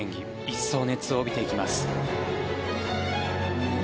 一層、熱を帯びていきます。